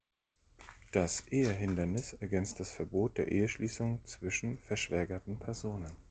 Das Ehehindernis ergänzt das Verbot der Eheschließung zwischen verschwägerten Personen.